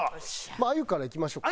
まああゆからいきましょうか。